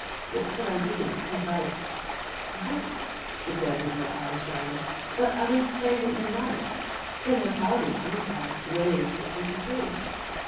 What could I do, without " "Write," she said, with her eyes shining. "Let others play what you write. Immortality comes by way of the printed page."